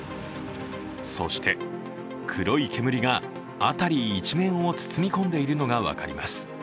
そして、黒い煙が辺り一面を包み込んでいるのが分かります。